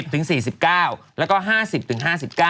ถึง๔๙แล้วก็๕๐ถึง๕๙